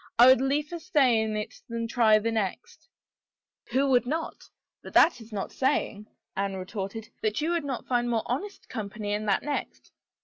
I would liefer stay in it than try the next I " "Who would not? — But that is not saying," Anne retorted, " that you would not find more honest company in that next."